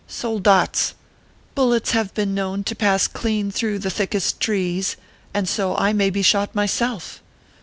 Soldats ! bullets have been known to pass clean through the thickest trees, and so I may be shot myself.